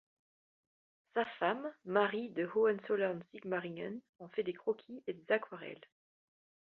Sa femme, Marie de Hohenzollern-Sigmaringen en fait des croquis et des aquarelles.